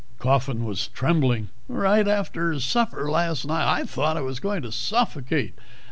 Coffin was trembling. "Right after supper last night. I thought I was going to suffocate.